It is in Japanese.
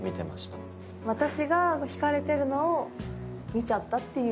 私が引かれてるのを見ちゃったっていう